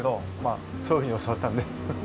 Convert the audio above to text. あそういうふうに教わったんで。